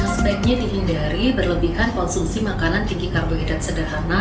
sebaiknya dihindari berlebihan konsumsi makanan tinggi karbohidrat sederhana